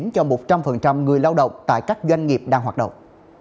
cho một trăm linh người lao động tại các doanh nghiệp đang hoạt động